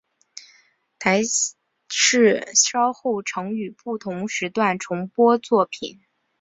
台视稍后曾于不同时段重播本作品。